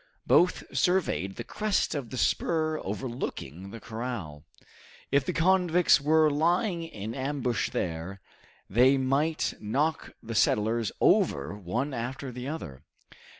Both surveyed the crest of the spur overlooking the corral. If the convicts were lying in ambush there, they might knock the settlers over one after the other.